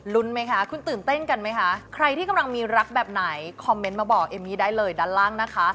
ไหมคะคุณตื่นเต้นกันไหมคะใครที่กำลังมีรักแบบไหนคอมเมนต์มาบอกเอมมี่ได้เลยด้านล่างนะคะ